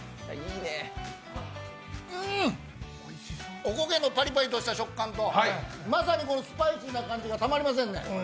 うん、おこげのパリパリとした食感とまさにスパイシーな感じがたまりませんね。